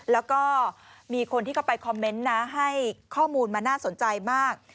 แล้วก็มีคนที่เข้าไปคอมเมนต์นะให้ข้อมูลมาน่าสนใจมาก